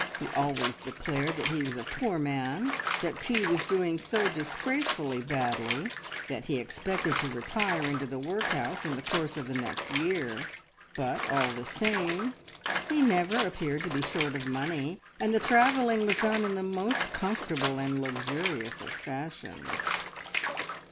He always declared that he was a poor man, that tea was doing so disgracefully badly, that he expected to retire into the workhouse in the course of the next year, but, all the same, he never appeared to be short of money, and the travelling was done in the most comfortable and luxurious of fashions.